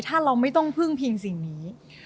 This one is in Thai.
ถ้าเราไม่ต้องพึ่งพิงสิ่งนี้